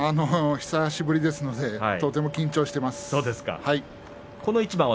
久しぶりですのでとても緊張しています。